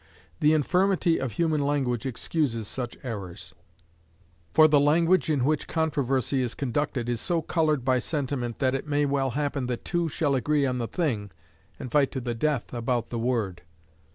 The infirmity of human language excuses such errors; for the language in which controversy is conducted is so colored by sentiment that it may well happen that two shall agree on the thing, and fight to the death about the word.